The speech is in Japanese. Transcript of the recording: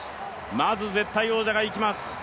まず絶対王者がいきます。